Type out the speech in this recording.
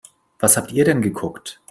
Was habt ihr denn geguckt?